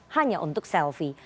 hanya untuk selfie